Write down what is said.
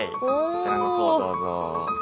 こちらのほうどうぞ。